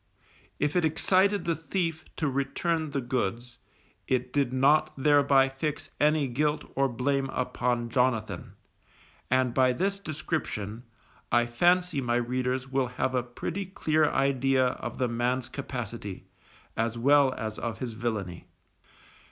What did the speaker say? If it excited the thief to return the goods, it did not thereby fix any guilt or blame upon Jonathan; and by this description, I fancy my readers will have a pretty clear idea of the man's capacity, as well as of his villainy.